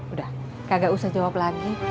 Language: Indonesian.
udah gak usah jawab lagi